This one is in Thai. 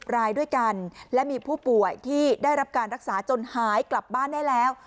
รายด้วยกันและมีผู้ป่วยที่ได้รับการรักษาจนหายกลับบ้านได้แล้ว